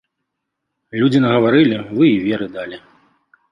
Людзі нагаварылі, вы і веры далі.